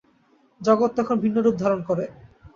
জগৎ তখন ভিন্নরূপ ধারণ করে।